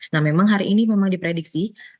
nah memang hari ini memang diprediksi